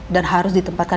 dan harus ditempatkan